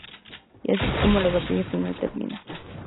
Y así es como la batalla final termina.